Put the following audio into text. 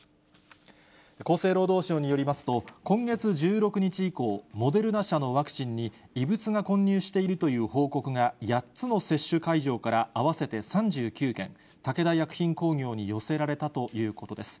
厚生労働省によりますと、今月１６日以降、モデルナ社のワクチンに異物が混入しているという報告が、８つの接種会場から合わせて３９件、武田薬品工業に寄せられたということです。